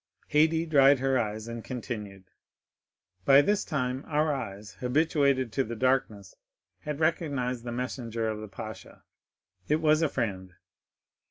Haydée dried her eyes, and continued: "By this time our eyes, habituated to the darkness, had recognized the messenger of the pasha,—it was a friend.